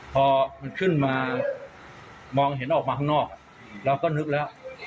พอมันขึ้นมามองเห็นออกมาข้างนอกเราก็นึกแล้ว